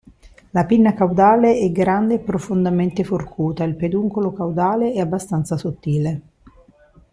La pinna caudale è grande e profondamente forcuta, il peduncolo caudale è abbastanza sottile.